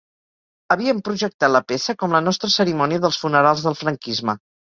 Havíem projectat la peça com la nostra cerimònia dels funerals del franquisme.